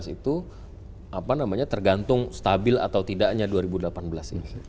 itu apa namanya tergantung stabil atau tidaknya dua ribu delapan belas ini